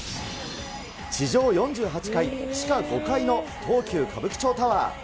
地上４８階、地下５階の東急歌舞伎町タワー。